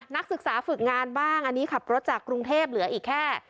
นักศึกษาฝึกงานบ้างอันนี้ขับรถจากกรุงเทพเหลืออีกแค่